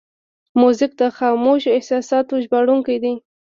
موزیک د خاموشو احساساتو ژباړونکی دی.